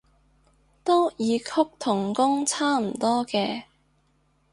都異曲同工差唔多嘅